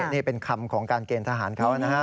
นี่เป็นคำของการเกณฑ์ทหารเขานะฮะ